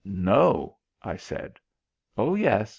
"No," I said. "Oh, yes!"